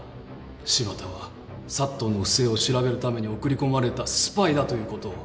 柴田はサットンの不正を調べるために送り込まれたスパイだということを。